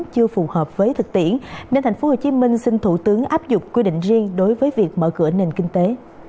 chưa phù hợp với thực tiễn nên tp hcm xin thủ tướng áp dụng quy định riêng đối với việc mở cửa nền kinh tế